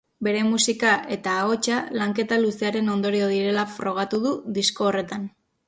Bere musika eta ahotsa lanketa luzearen ondorio direla frogatu du disko horretan.